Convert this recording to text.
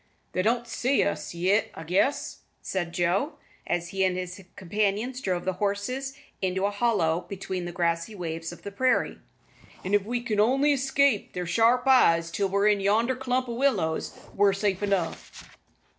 "They don't see us yit, I guess," said Joe, as he and his companions drove the horses into a hollow between the grassy waves of the prairie, "an' if we only can escape their sharp eyes till we're in yonder clump o' willows, we're safe enough."